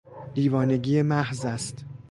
دیوانگی محض است!